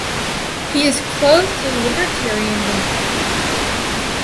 He is close to the libertarian movement.